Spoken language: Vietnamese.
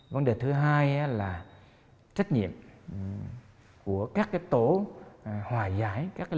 vấn đề thứ hai là trách nhiệm của các tổ hòa giải